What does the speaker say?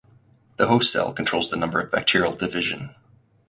The host cell controls the number of bacterial division.